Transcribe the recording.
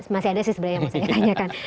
masih ada sih sebenarnya yang mau saya tanyakan